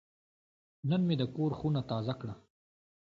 نن مې د کور خونه تازه کړه.